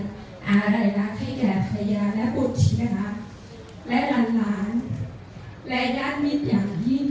อาหร่ายรักให้แก่ภัยาและอุทิศและหลานและญาติมิตรอย่างยิ่ง